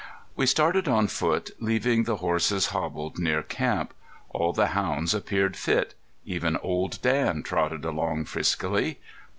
We started on foot, leaving the horses hobbled near camp. All the hounds appeared fit. Even Old Dan trotted along friskily.